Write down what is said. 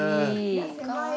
かわいい。